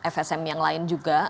fsm yang lain juga